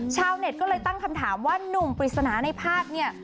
ชาวเน็ตก็เลยตั้งคำถามว่านุ่มปริศนาในภาพเนี่ย